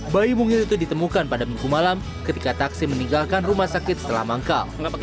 bayi mungil itu ditemukan pada minggu malam ketika taksi meninggalkan rumah sakit setelah manggal